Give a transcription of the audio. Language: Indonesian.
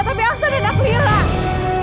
tapi aksan anak lirik